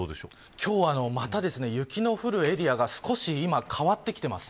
今日は、また雪の降るエリアが少し今、変わってきています。